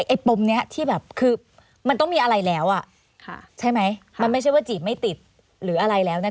ปมนี้ที่แบบคือมันต้องมีอะไรแล้วอ่ะค่ะใช่ไหมมันไม่ใช่ว่าจีบไม่ติดหรืออะไรแล้วนะคะ